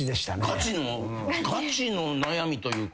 ガチのガチの悩みというか。